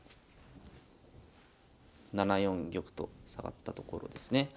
７四玉と下がったところですね。